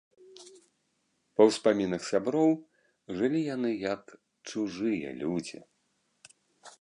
Па ўспамінах сяброў, жылі яны як чужыя людзі.